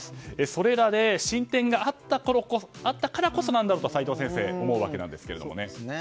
それらで進展があったからこそなんだろうと齋藤先生、思うわけですが。